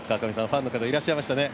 ファンの方いらっしゃいましたね。